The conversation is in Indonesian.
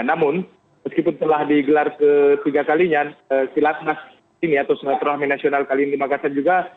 namun meskipun telah digelar ketiga kalinya silatnas ini atau silaturahmi nasional kali ini di makassar juga